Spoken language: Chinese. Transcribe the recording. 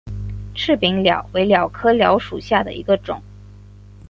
翅柄蓼为蓼科蓼属下的一个种。